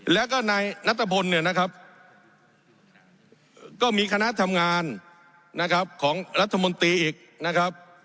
แล้วก็นายนัตรพลเนี่ยนะครับก็มีคณะทำงานนะครับของรัฐมนตรีอีกนะครับ